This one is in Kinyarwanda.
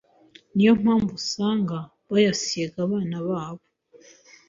niyo mpamvu usanga bayasiga abana babo